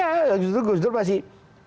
ya waktu itu gus dur masih